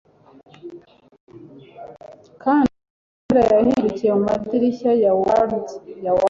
Kandi amatara yahindukiriye mumadirishya ya Ward ya Ward